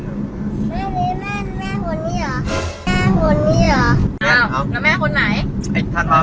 แล้วแม่คนไหน